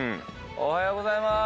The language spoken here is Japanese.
おはようございます。